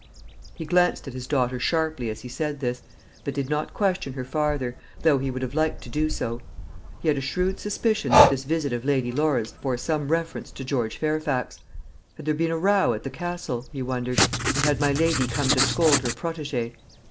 He glanced at his daughter sharply as he said this, but did not question her farther, though he would have liked to do so. He had a shrewd suspicion that this visit of Lady Laura's bore some reference to George Fairfax. Had there been a row at the Castle? he wondered, and had my lady come to scold her protégée?